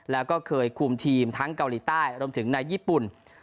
แล้วก็เคยคุมทีมทั้งเกาหลีใต้รวมถึงในญี่ปุ่น